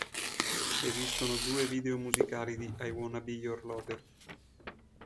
Esistono due video musicali di "I Wanna Be Your Lover".